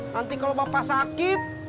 nanti kalau bapak sakit